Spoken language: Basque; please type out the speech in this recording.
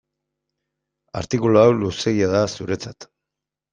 Artikulu hau luzeegia da zuretzat.